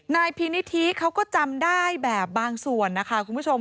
นายพินิธิเขาก็จำได้แบบบางส่วนนะคะคุณผู้ชม